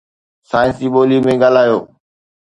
science جي ٻولي ۾ ڳالهايو